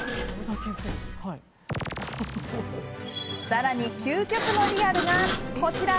さらに究極のリアルが、こちら。